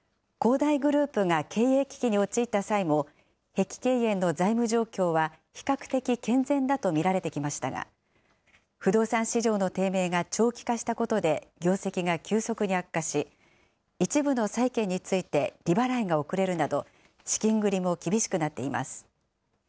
大グループが経営危機に陥った際も、碧桂園の財務状況は比較的健全だと見られてきましたが、不動産市場の低迷が長期化したことで業績が急速に悪化し、一部の債券について利払いが遅れるなど、資金繰りも厳しくなっています。